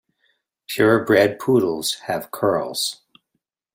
Pure bred poodles have curls.